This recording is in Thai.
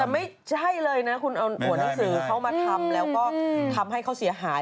แต่ไม่ใช่เลยนะคุณเอาหัวหนังสือเขามาทำแล้วก็ทำให้เขาเสียหาย